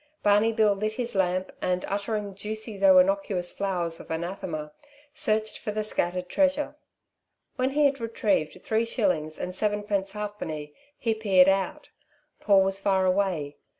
Barney Bill lit his lamp, and, uttering juicy though innocuous flowers of anathema, searched for the scattered treasure. When he had retrieved three shillings and sevenpence halfpenny he peered out. Paul was far away.